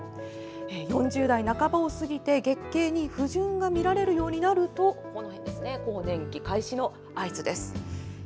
４０代半ばを過ぎて、月経に不順が見られるようになると更年期開始の合図です。